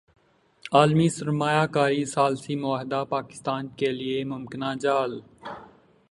عالمی سرمایہ کاری ثالثی معاہدہ پاکستان کیلئے ممکنہ جال